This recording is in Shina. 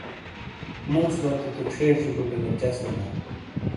مُوس وتی تو چھیچی بُٹے گہ چَس بینا۔